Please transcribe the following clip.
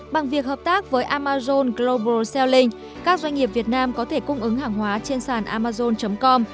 bằng việc hợp tác với amazon global selling các doanh nghiệp việt nam có thể cung ứng hàng hóa trên sàn amazon com